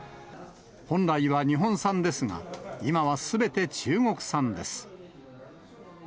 本来は日本産ですが、今はすべて中国産です。